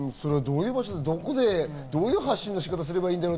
どこでどういう発信の仕方をすればいいんだろう？